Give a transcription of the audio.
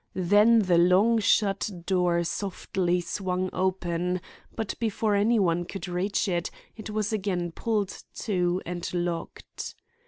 Then the long shut door softly swung open, but before any one could reach it, it was again pulled to and locked.